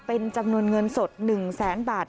เป็นจำนวนเงินสด๑แสนบาท